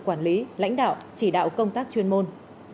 quản lý lãnh đạo chỉ đạo công tác chuyên môn